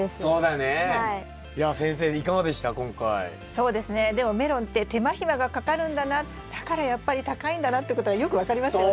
そうですねでもメロンって手間暇がかかるんだなだからやっぱり高いんだなってことがよく分かりますよね。